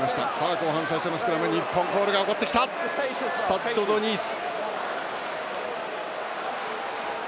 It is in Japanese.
後半、最初のスクラム日本コールが起こってきたスタッド・ド・ニース。